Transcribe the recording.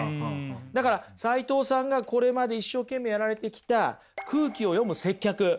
だから齋藤さんがこれまで一生懸命やられてきた空気を読む接客！